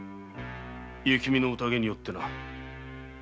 雪見の宴によってな。